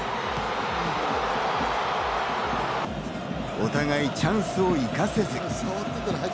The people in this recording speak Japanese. お互いチャンスを生かせず。